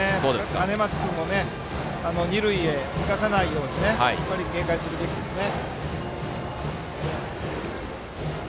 兼松君も二塁へ行かさないように警戒すべきですね。